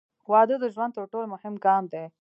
• واده د ژوند تر ټولو مهم ګام دی.